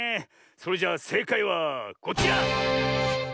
それじゃせいかいはこちら！